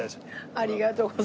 ありがとうございます。